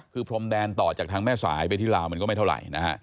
คือพรมแดนต่อจากทางแม่สายไปที่ลาวมันก็ไม่เท่าไหร่นะฮะ